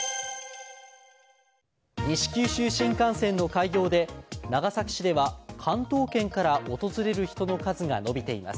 西九州新幹線の開業で長崎市では関東圏から訪れる人の数が伸びています。